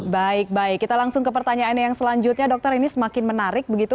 baik baik kita langsung ke pertanyaan yang selanjutnya dokter ini semakin menarik begitu